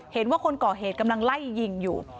เห็นว่าคนก่อเหตุกำลังไล่ยิงอยู่